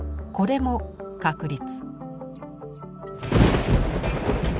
これも確率。